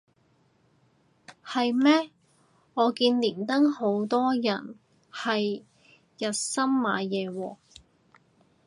係咩我見連登好多人係日森買嘢喎